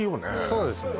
そうですね